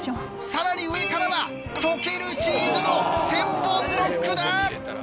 更に上からは溶けるチーズの千本ノックだ！